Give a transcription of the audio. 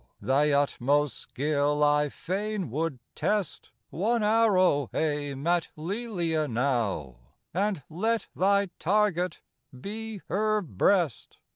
Thy utmost skill I fain would test ; One arrow aim at Lelia now, And let thy target be her breast